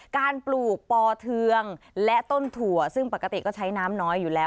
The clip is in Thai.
ปลูกปอเทืองและต้นถั่วซึ่งปกติก็ใช้น้ำน้อยอยู่แล้ว